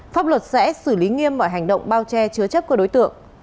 pháp luật sẽ xử lý nghiêm mọi hành động bao che chứa chấp của đối tượng